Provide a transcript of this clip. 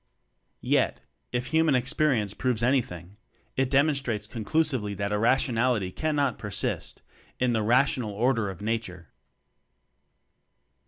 Yet, if human experience proves any thing, it demonstrates conclusively that irrationality cannot persist in the rational Order of Nature.